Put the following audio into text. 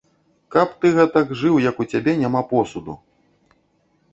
Каб ты гэтак жыў, як у цябе няма посуду!